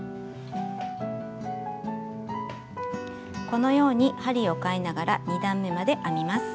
このように針をかえながら２段めまで編みます。